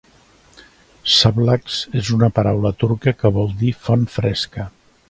"Sablax" és una paraula turca que vol dir "font fresca".